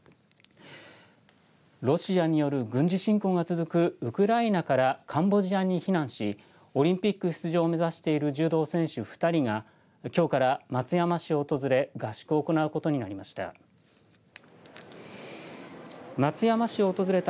ロシアによる軍事侵攻が続くウクライナからカンボジアに避難しオリンピック出場を目指している柔道選手２人がきょうから松山市を訪れ合宿を行うことになりました。